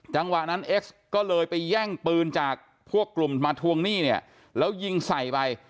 จังหวะนั้นเอ็กซ์ก็เลยไปแย่งปืนจากพวกกลุ่มมาทวงหนี้เนี่ยแล้วยิงใส่ไป